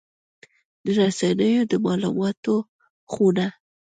د رسنیو د مالوماتو خونه